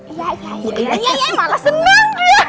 iya iya iya malah seneng dia